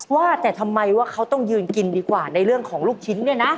ว่าแต่ทำไมว่าเขาต้องยืนกินดีกว่าในเรื่องของลูกชิ้นเนี่ยนะ